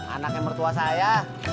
anaknya mertua saya